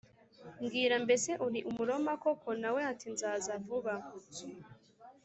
Mbwira mbese uri Umuroma koko Na we ati nzaza vuba